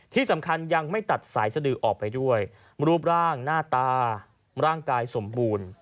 ที่สำคัญยังไม่ตัดสายสดือออกไปด้วยรูปร่างหน้าตาร่างกายสมบูรณ์